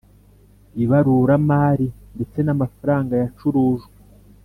ibarurmari ndetse n amafaranga yacurujwe